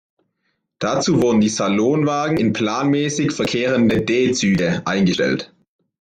Dazu wurden die Salonwagen in planmäßig verkehrende D-Züge eingestellt.